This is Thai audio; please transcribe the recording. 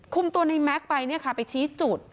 คุมตัวในแม็กซ์ไปไปชี้จุด